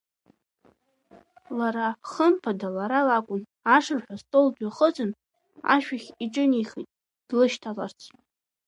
Лара, хымԥада, лара лакәын, ашырҳәа астол дҩахыҵын, ашәахь иҿынеихеит длышьҭаларц.